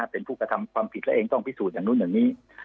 เป็นผู้กระทำความผิดแล้วเองต้องพิสูจน์อย่างนู้นอย่างนี้